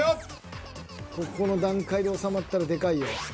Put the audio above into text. ここの段階で収まったらでかいよ。